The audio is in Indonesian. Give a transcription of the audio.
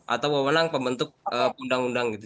atau wewenang pembentuk undang undang gitu